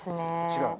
違う？